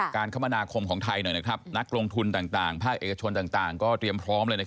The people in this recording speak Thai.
การคมนาคมของไทยหน่อยนักลงทุนผ้าเอกชนก็เรียมพร้อมเลย